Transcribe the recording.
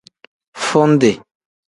Fundi.